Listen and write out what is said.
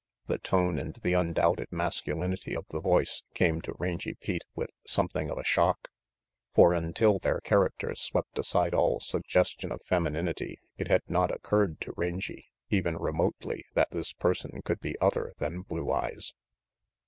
The tone and the undoubted masculinity of the voice came to Rangy Pete with something of a shock, for until their character swept aside all sug gestion of femininity it had not occurred to Rangy even remotely that this person could be other than Blue Eyes.